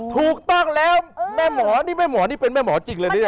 ถูกต้องแล้วแม่หมอนี่แม่หมอนี่เป็นแม่หมอจริงเลยนะเนี่ย